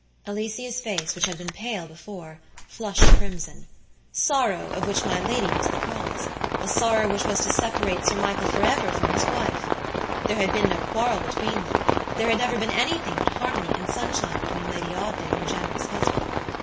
Alicia's face, which had been pale before, flushed crimson. Sorrow, of which my lady was the causea sorrow which was to separate Sir Michael forever from his wife! There had been no quarrel between themthere had never been anything but harmony and sunshine between Lady Audley and her generous husband.